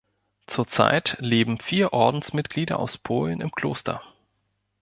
Zur Zeit leben vier Ordensmitglieder aus Polen im Kloster.